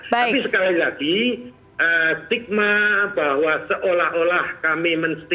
tapi sekali lagi stigma bahwa seolah olah kami men stigma